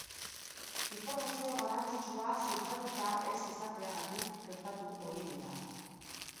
Informazio garrantzitsua zifratuta ez izateagatik gertatu ohi dira.